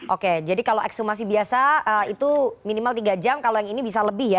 oke jadi kalau ekshumasi biasa itu minimal tiga jam kalau yang ini bisa lebih ya